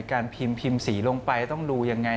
การพิมพ์พิมพ์สีลงไปต้องดูยังไง